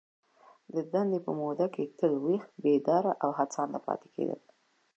د دندي په موده کي تل ویښ ، بیداره او هڅانده پاته کیدل.